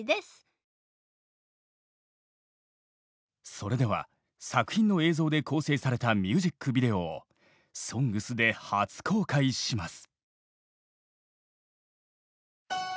それでは作品の映像で構成されたミュージックビデオを「ＳＯＮＧＳ」で初公開します。